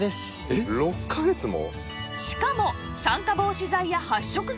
えっ６カ月も？